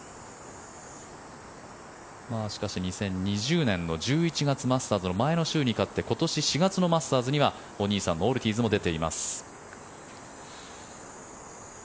しかし２０２０年の１１月マスターズの前の週に勝って今年４月のマスターズにはお兄さんのオルティーズも出ています。